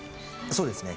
そうですね。